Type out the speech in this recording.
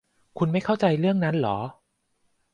คุณไม่เข้าใจเรื่องนั้นเหรอ